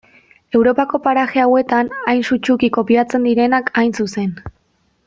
Europako paraje hauetan hain sutsuki kopiatzen direnak hain zuzen.